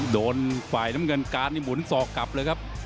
โดนฝ่ายน้ำเงินการ์ดมีหมุนซอกไปครับ